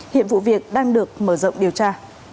hiện vụ việc đang được mở rộng điều tra